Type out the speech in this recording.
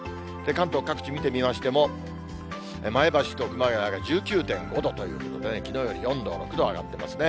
関東各地見てみましても、前橋と熊谷が１９．５度ということでね、きのうより４度、６度上がっていますね。